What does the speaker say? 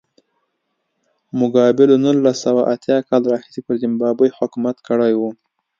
موګابي له نولس سوه اتیا کال راهیسې پر زیمبابوې حکومت کړی و.